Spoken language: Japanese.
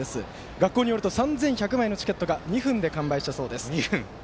学校によると３１００名のチケットが２分で完売したそうです。